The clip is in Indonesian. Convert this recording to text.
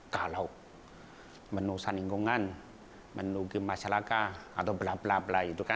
kalau merusak lingkungan menukir masyarakat atau blablabla